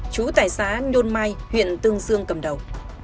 chú tài xá nhôn mai huyện tương dương cầm đầu